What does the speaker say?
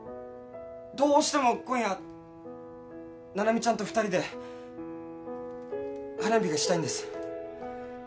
どうしても今夜七海ちゃんと２人で花火がしたいんです。